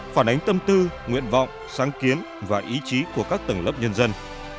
phản ánh tâm tư nguyện vọng sáng kiến và ý chí của các tầng lớp nhân dân